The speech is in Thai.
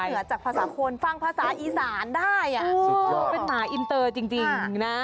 เหนือจากภาษาคนฟังภาษาอีสานได้เป็นหมาอินเตอร์จริงนะ